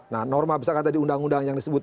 nah norma misalkan tadi undang undang yang disebut